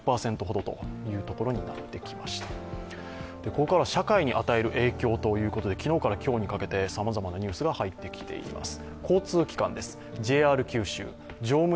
ここからは社会に与える影響ということで、昨日から今日にかけてさまざまなニュースが入ってきています。